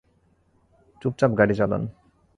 চুপচাপ গাড়ি চালান।